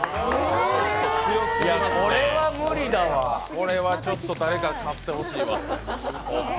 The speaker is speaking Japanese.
これはちょっと誰か勝ってほしいわ。